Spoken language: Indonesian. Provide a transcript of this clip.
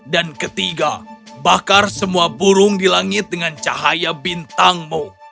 dan ketiga bakar semua burung di langit dengan cahaya bintangmu